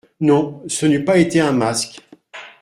«Non, ce n’eût pas été un masque.